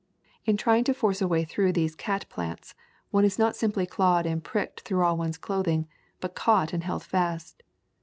In trying to force a way through these cat plants one is not simply clawed and pricked through all one's clothing, but caught and held fast.